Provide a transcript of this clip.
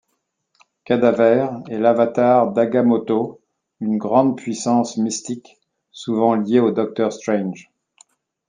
Cadaver est l'avatar d'Agamotto, une grande puissance mystique, souvent lié au Docteur Strange.